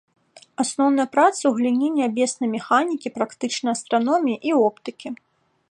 Асноўныя працы ў галіне нябеснай механікі, практычнай астраноміі і оптыкі.